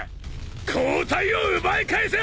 抗体を奪い返せ！